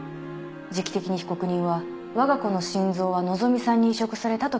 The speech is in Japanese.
時期的に被告人はわが子の心臓は希美さんに移植されたと気付いた。